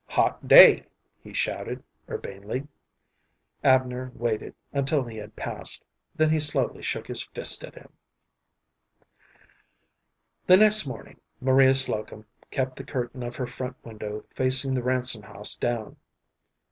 Hot day!" he shouted, urbanely. Abner waited until he had passed, then he slowly shook his fist at him. The next morning Maria Slocum kept the curtain of her front window facing the Ransom house down.